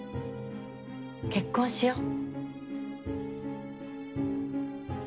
結婚しよう